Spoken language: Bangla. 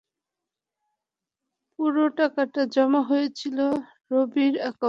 পুরো টাকাটা জমা হয়েছিল রবির অ্যাকাউন্টে।